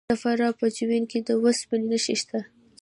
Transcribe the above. د فراه په جوین کې د وسپنې نښې شته.